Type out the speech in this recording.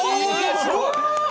すごい！